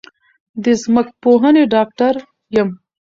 د ځمکپوهنې ډاکټر یم